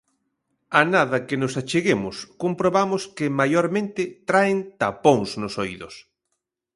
A nada que nos acheguemos comprobamos que maiormente traen tapóns nos oídos.